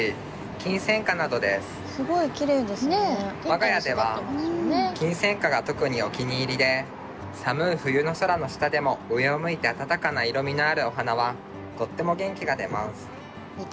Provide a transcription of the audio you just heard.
我が家ではキンセンカが特にお気に入りで寒い冬の空の下でも上を向いてあたたかな色みのあるお花はとっても元気が出ます。